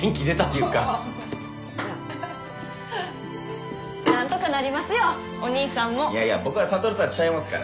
いやいや僕は諭とはちゃいますから。